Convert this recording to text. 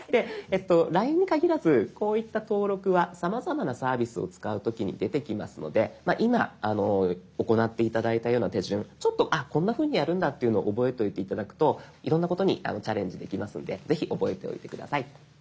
「ＬＩＮＥ」に限らずこういった登録はさまざまなサービスを使う時に出てきますので今行って頂いたような手順ちょっと「あっこんなふうにやるんだ」っていうのを覚えておいて頂くといろんなことにチャレンジできますのでぜひ覚えておいて下さい。